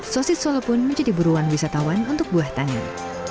sosis solo pun menjadi buruan wisatawan untuk buah tangan